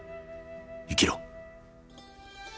生きろ！」。